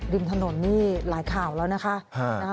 ริมถนนนี่หลายข่าวแล้วนะคะ